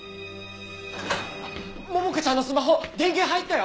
桃香ちゃんのスマホ電源入ったよ！